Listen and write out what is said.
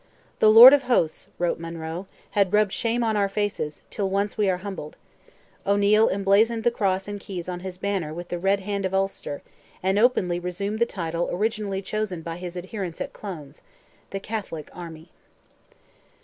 "The Lord of Hosts," wrote Monroe, "had rubbed shame on our faces, till once we are humbled;" O'Neil emblazoned the cross and keys on his banner with the Red Hand of Ulster, and openly resumed the title originally chosen by his adherents at Clones, "the Catholic Army."